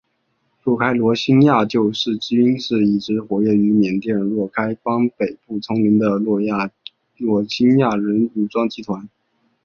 若开罗兴亚救世军是一支活跃于缅甸若开邦北部丛林的罗兴亚人武装集团。